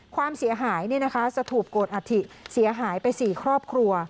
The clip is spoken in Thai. ความเสียหายสถูปโกรธอัฐิเสียหายไป๔ครอบครัว